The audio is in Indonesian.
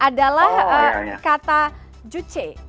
adalah kata juche